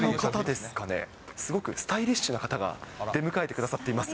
すごくスタイリッシュな方が出迎えてくださっています。